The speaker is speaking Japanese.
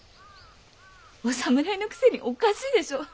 お侍のくせにおかしいでしょう？